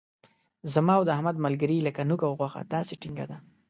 زما او د احمد ملګري لکه نوک او غوښه داسې ټینګه ده.